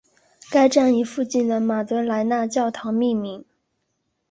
该站以附近的马德莱娜教堂命名。